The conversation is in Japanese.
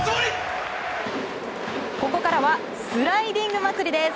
ここからはスライディング祭りです。